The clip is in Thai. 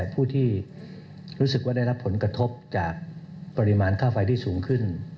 ผู้ที่รู้สึกว่าได้รับผลกระทบจากปริมาณค่าไฟที่สูงขึ้น